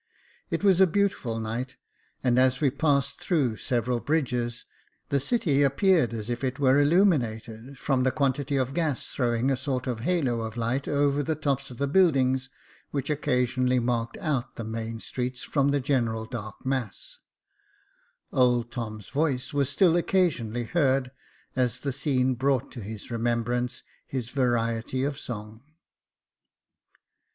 It was a beautiful night •, and as we passed through the several bridges, the city appeared as if it were illuminated, from the quantity of gas throwing a sort of halo of light over the tops of the buildings which occasionally marked out the main streets from the general dark mass — old Tom's voice was still occasionally heard, as the scene brought to his remembrance his variety of song.